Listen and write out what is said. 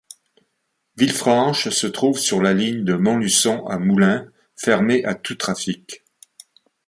Villefranche se trouve sur la ligne de Montluçon à Moulins fermée à tout trafic.